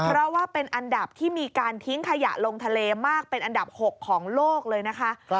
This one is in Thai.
เพราะว่าเป็นอันดับที่มีการทิ้งขยะลงทะเลมากเป็นอันดับ๖ของโลกเลยนะคะ